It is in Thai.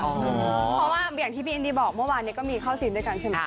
เพราะว่าอย่างที่พี่อินดีบอกเมื่อวานนี้ก็มีเข้าซีนด้วยกันใช่ไหม